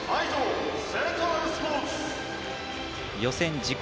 予選自己